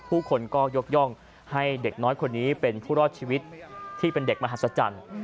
ผู้คนก็ยกย่องให้เด็กน้อยคนนี้เป็นผู้รอดชีวิตที่เป็นเด็กมหัศจรรย์